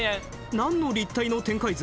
なんの立体の展開図？